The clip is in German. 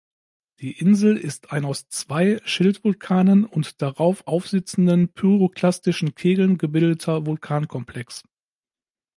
Die Insel ist ein aus zwei Schildvulkanen und darauf aufsitzenden pyroklastischen Kegeln gebildeter Vulkankomplex.